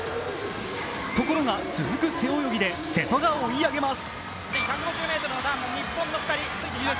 ところが、続く背泳ぎで瀬戸が追い上げます。